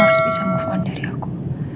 kamu harus bisa ngejalanin hidup kamu